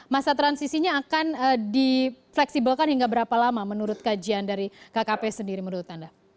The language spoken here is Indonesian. masa transisinya akan difleksibelkan hingga berapa lama menurut kajian dari kkp sendiri menurut anda